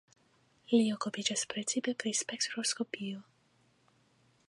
Li okupiĝas precipe pri spektroskopio.